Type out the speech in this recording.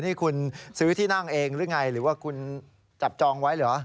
นี่คุณซื้อที่นั่งเองหรือไงหรือว่าคุณจับจองไว้เหรอ